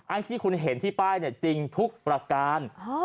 อันที่คุณเห็นที่ป้ายจริงทุกประการ